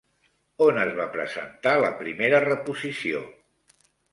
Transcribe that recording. On es va presentar la primera reposició?